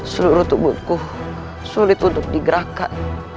seluruh tubuhku sulit untuk digerakkan